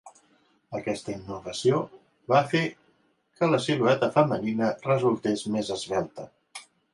Aquesta innovació va fer que la silueta femenina resultés més esvelta.